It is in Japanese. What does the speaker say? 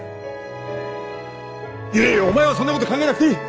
いやいやお前はそんなこと考えなくていい。